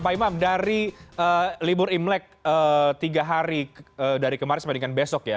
pak imam dari libur imlek tiga hari dari kemarin sampai dengan besok ya